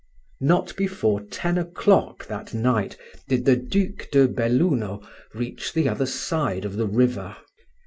Not before ten o'clock that night did the Duc de Belluno reach the other side of the river.